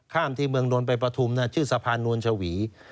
ที่เมืองนวลไปประทุมชื่อสะพานนวลชวี